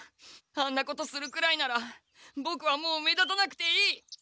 あんなことするくらいならボクはもう目立たなくていい。